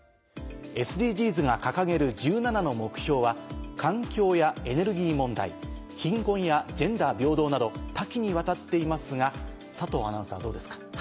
ＳＤＧｓが掲げる１７の目標は環境やエネルギー問題貧困やジェンダー平等など多岐にわたっていますが佐藤アナウンサーはどうですか？